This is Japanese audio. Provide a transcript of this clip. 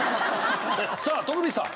さあ徳光さん